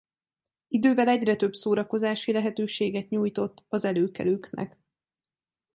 Idővel egyre több szórakozási lehetőséget nyújtott az előkelőknek.